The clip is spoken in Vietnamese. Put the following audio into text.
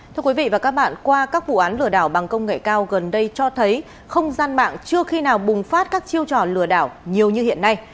thưa quý vị và các bạn qua các vụ án lừa đảo bằng công nghệ cao gần đây cho thấy không gian mạng chưa khi nào bùng phát các chiêu trò lừa đảo nhiều như hiện nay